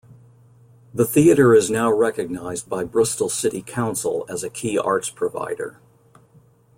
The theatre is now recognised by Bristol City Council as a key arts provider.